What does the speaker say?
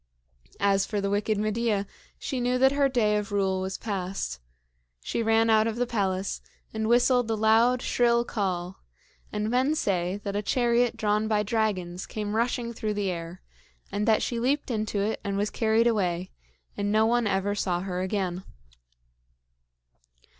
As for the wicked Medea, she knew that her day of rule was past. She ran out of the palace, and whistled a loud, shrill call; and men say that a chariot drawn by dragons came rushing through the air, and that she leaped into it and was carried away, and no one ever saw her again.